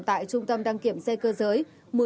tại trung tâm đăng kiểm xe cơ giới